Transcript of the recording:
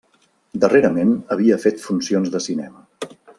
Darrerament havia fet funcions de cinema.